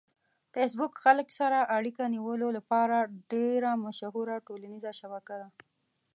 فېسبوک خلک سره اړیکه نیولو لپاره ډېره مشهوره ټولنیزه شبکه ده.